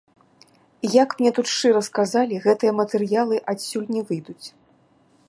Як мне тут шчыра сказалі, гэтыя матэрыялы адсюль не выйдуць.